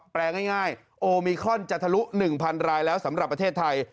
แปลงง่ายง่ายโอมิครอนจะทะลุหนึ่งพันรายแล้วสำหรับประเทศไทย